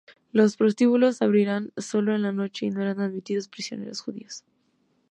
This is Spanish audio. Los prostíbulos abrían sólo en la noche y no eran admitidos prisioneros judíos.